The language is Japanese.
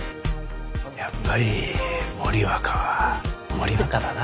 やっぱり森若は森若だな。